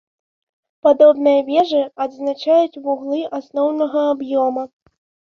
Падобныя вежы адзначаюць вуглы асноўнага аб'ёма.